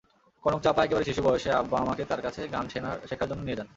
কনকচাঁপাএকেবারে শিশু বয়সে আব্বা আমাকে তাঁর কাছে গান শেখার জন্য নিয়ে যান।